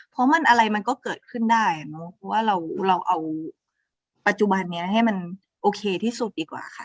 เพราะมันอะไรมันก็เกิดขึ้นได้เนอะเพราะว่าเราเอาปัจจุบันนี้ให้มันโอเคที่สุดดีกว่าค่ะ